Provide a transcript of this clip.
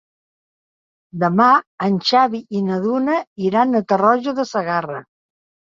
Demà en Xavi i na Duna iran a Tarroja de Segarra.